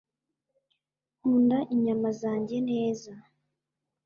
nkunda inyama zanjye neza